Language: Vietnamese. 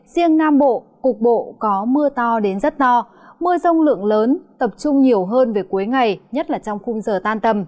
riêng nam bộ cục bộ có mưa to đến rất to mưa rông lượng lớn tập trung nhiều hơn về cuối ngày nhất là trong khung giờ tan tầm